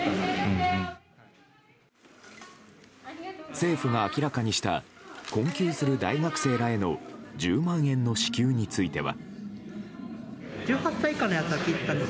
政府が明らかにした困窮する大学生らへの１０万円の支給については。